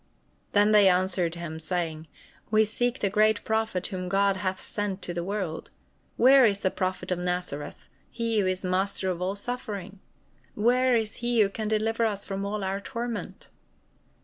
Then they answered him, saying: "We seek the great Prophet whom God hath sent to the world. Where is the Prophet of Nazareth, he who is master of all suffering? Where is he who can deliver us from all our torment?"